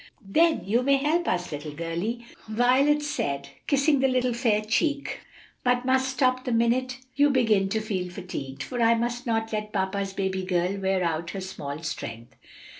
"Then you may help us, little girlie," Violet said, kissing the little fair cheek, "but must stop the minute you begin to feel fatigued; for I must not let papa's baby girl wear out her small strength."